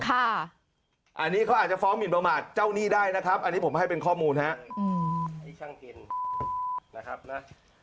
ค่ะอันนี้เขาอาจจะฟ้องหมินประมาทเจ้านี่ได้นะครับอันนี้ผมให้เป็นข้อมูลนะฮะ